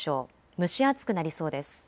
蒸し暑くなりそうです。